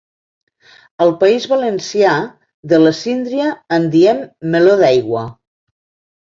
Al País Valencià de la síndria en diem meló d'aigua.